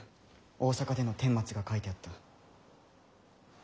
大坂での顛末が書いてあった。